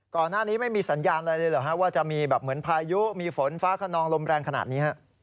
ก่อนหน้านี้ไม่มีสัญญาณอะไรเลยเหรอฮะว่าจะมีแบบเหมือนพายุมีฝนฟ้าขนองลมแรงขนาดนี้ฮะ